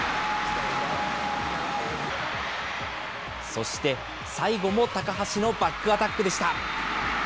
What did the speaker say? そして最後も高橋のバックアタックでした。